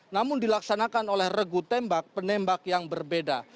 namun dilaksanakan oleh regu tembak penembak yang berbeda